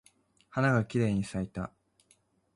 花がきれいに咲いた。